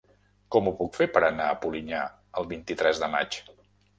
Com ho puc fer per anar a Polinyà el vint-i-tres de maig?